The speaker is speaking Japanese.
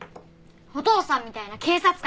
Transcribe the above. お父さんみたいな警察官。